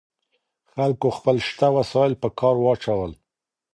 خلګو خپل شته وسایل په کار واچول.